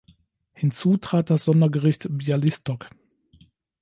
Hinzu trat das Sondergericht Bialystok.